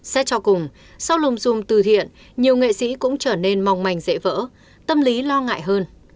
xét cho cùng sau lùng dùm từ thiện nhiều nghệ sĩ cũng trở nên mong manh dễ vỡ tâm lý lo ngại hơn